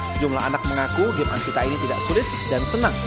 sejumlah anak mengaku game ancita ini tidak sulit dan senang